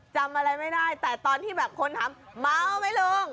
จำอะไรไม่ได้แต่ตอนที่แบบคนถามเมาไหมลุง